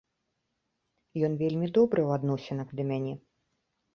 Ён вельмі добры ў адносінах да мяне.